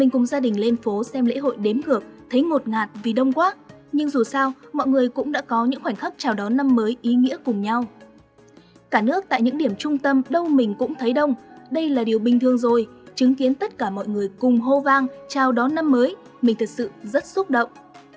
cả nước tại những điểm trung tâm đâu mình cũng thấy đông đây là điều bình thường rồi chứng kiến tất cả mọi người cùng hô vang chào đón năm mới mình thật sự rất xúc động